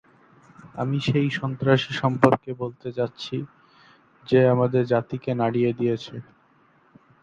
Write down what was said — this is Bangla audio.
আমি সেই সন্ত্রাসী সম্পর্কে বলতে যাচ্ছি যে আমাদের জাতিকে নাড়িয়ে দিয়েছে।